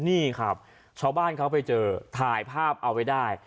นี่ครับชาวบ้านเขาไปเจอถ่ายภาพเอาไว้ได้